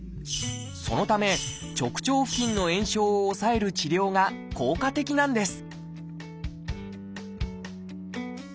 そのため直腸付近の炎症を抑える治療が効果的なんです